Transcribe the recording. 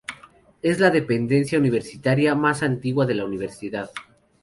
Es la dependencia universitaria de más antigua de la universidad.